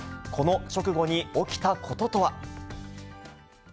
この直後に起きたこととは。